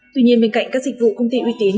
tuy nhiên bên cạnh các dịch vụ công ty uy tín